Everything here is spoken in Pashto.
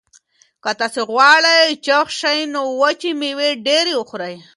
که تاسي غواړئ چې چاغ شئ نو وچې مېوې ډېرې خورئ.